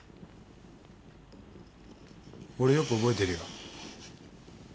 俺よく覚えてるよ。